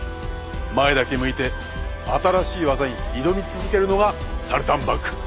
前だけ向いて新しい技に挑み続けるのがサルタンバンク！